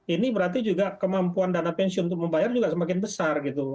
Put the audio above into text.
ini berarti juga kemampuan dana pensiun untuk membayar juga semakin besar gitu